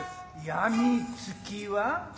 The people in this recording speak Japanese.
病みつきは？